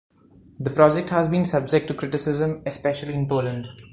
The project has been subject to criticism, especially in Poland.